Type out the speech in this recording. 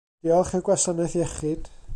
Diolch i'r gwasanaeth iechyd.